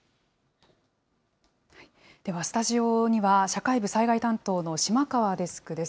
ではスタジオには、社会部災害担当の島川デスクです。